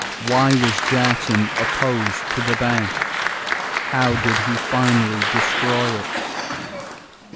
Why was Jackson opposed to the bank? How did he finally destroy it?